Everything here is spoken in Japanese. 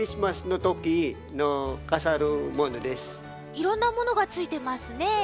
いろんなものがついてますね。